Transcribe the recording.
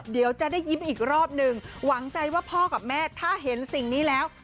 เดี๋ยวจะได้ยิ้มอีกรอบหนึ่งหวังใจว่าพ่อกับแม่ถ้าเห็นสิ่งนี้แล้ว